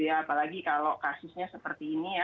apalagi kalau kasusnya seperti ini ya